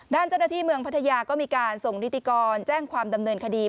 ด้านเจ้าหน้าที่เมืองพัทยาก็มีการส่งนิติกรแจ้งความดำเนินคดี